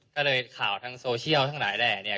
ก็เลยข่าวทางโซเชียลทั้งหลายแหล่เนี่ย